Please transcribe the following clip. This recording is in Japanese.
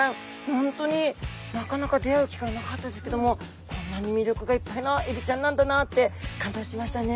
本当になかなか出会う機会なかったですけどもこんなに魅力がいっぱいのエビちゃんなんだなって感動しましたね！